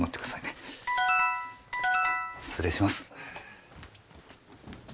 失礼します。